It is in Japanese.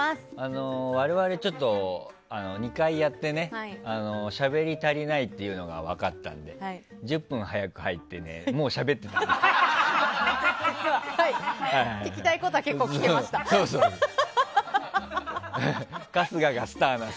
我々、ちょっと２回やってねしゃべり足りないというのが分かったんで１０分早く入ってもうしゃべってたの。